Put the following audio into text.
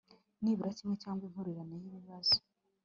nibura kimwe cyangwa impurirane y ibi bazo